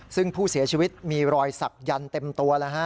ซึ่งผู้เสียชีวิตมีรอยศักดิ์ยันต์เต็มตัว